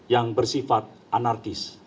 yang bersifat anarkis